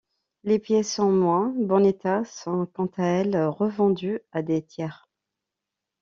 Les pièces en moins bon état sont quant à elles revendues à des tiers.